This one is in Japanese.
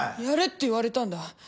やれって言われたんだ。